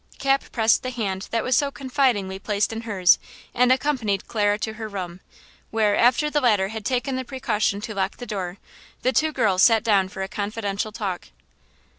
Cap pressed the hand that was so confidingly placed in hers and accompanied Clara to her room, where, after the latter had taken the precaution to lock the door, the two girls sat down for a confidential talk.